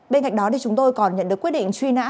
bên cạnh đó thì chúng tôi còn nhận được quyết định truy nã